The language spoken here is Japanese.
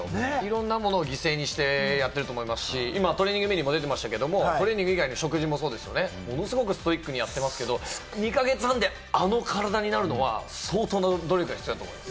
いろんなものを犠牲にしてやってると思いますし、トレーニングメニューも出てましたけれども、トレーニング以外の食事もそうですよね、ものすごくストイックにやってますけれども、２か月半で、あの体になるのは相当な努力が必要だと思います。